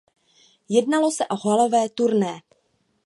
Jednalo se o halové turné.